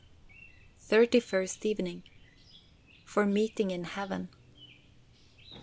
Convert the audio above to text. THIRTY FIRST EVENING. FOR MEETING IN HEAVEN.